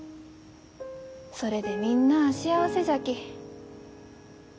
それでみんなあ幸せじゃき。